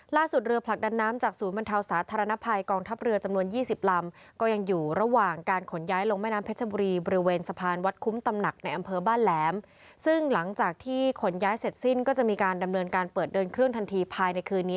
ล่าสุดเรือผลักดันน้ำจากศูนย์บรรเทาสาธารณภัย